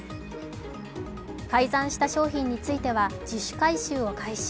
改ざんした商品については自主回収を開始。